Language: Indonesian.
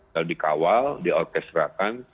kalau dikawal diorkesterakan